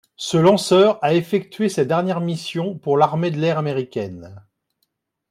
Ce lanceur a effectué sa dernière mission pour l'Armée de l'Air américaine.